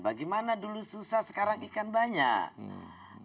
bagaimana dulu susah sekarang ikan banyak